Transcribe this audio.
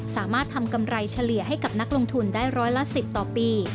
สามารถทำกำไรเฉลี่ยให้กับนักลงทุนได้ร้อยละ๑๐ต่อปี